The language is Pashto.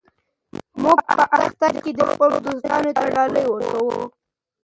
موږ په اختر کې خپلو دوستانو ته ډالۍ ورکوو.